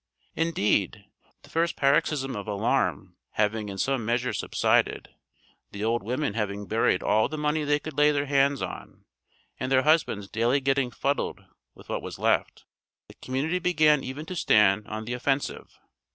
Indeed, the first paroxysm of alarm having in some measure subsided, the old women having buried all the money they could lay their hands on, and their husbands daily getting fuddled with what was left, the community began even to stand on the offensive.